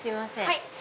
はい。